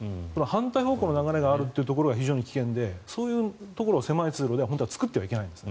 反対方向の流れがあるというところが非常に危険でそういうところは狭い通路で作ってはいけないんです。